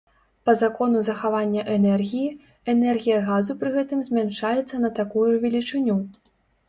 Па закону захавання энергіі, энергія газу пры гэтым змяншаецца на такую ж велічыню.